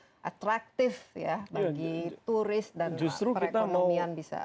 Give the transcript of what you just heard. semuanya juga atraktif ya bagi turis dan perekonomian bisa meningkat